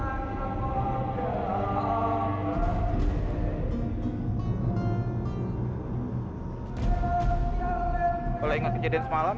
berteman luar dari yang dimimpikan injur village